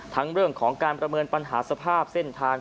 ทั้งเรื่องของการประเมินปัญหาสภาพเส้นทาง